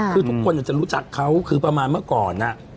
คือทุกคนจะรู้จักเขาคือประมาณเมื่อก่อน